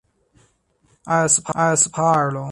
埃斯帕尔龙。